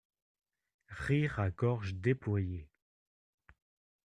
Rire à gorge déployée.